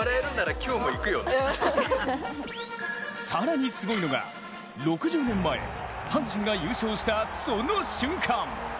更にすごいのは、６０年前阪神が優勝したその瞬間。